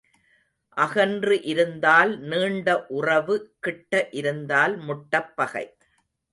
அகன்று இருந்தால் நீண்ட உறவு கிட்ட இருந்தால் முட்டப்பகை.